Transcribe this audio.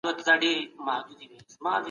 هغه بیت مي په کتابچه کي ولیکلو.